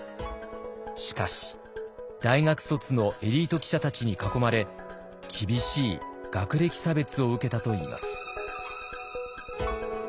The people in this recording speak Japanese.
しかし大学卒のエリート記者たちに囲まれ厳しい学歴差別を受けたといいます。